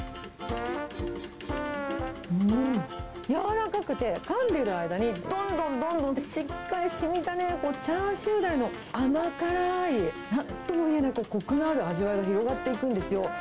やわらかくて、かんでる間にどんどんどんどん、しっかりしみたね、チャーシューだれの甘辛いなんともいえない、こくのある味わいが広がっていくんですよ。